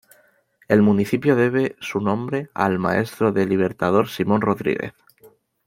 El municipio debe su nombre al maestro del Libertador Simón Rodríguez.